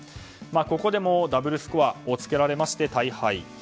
ここでも、ダブルスコアをつけられまして大敗。